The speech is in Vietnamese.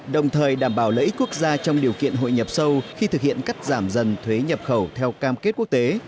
đồng thời đảm bảo lợi ích quốc gia trong điều kiện hội nhập sâu khi thực hiện cắt giảm dần thuế nhập khẩu theo cam kết quốc tế